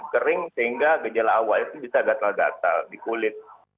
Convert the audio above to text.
kering sehingga gejala awal itu bisa gatal gatal di kulit